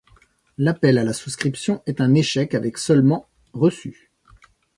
L’appel à la souscription est un échec avec seulement reçus.